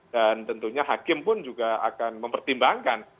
dan tentunya hakim pun juga akan mempertimbangkan